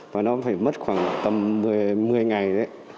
và nó cũng phải mất khoảng tầm một mươi ngày đấy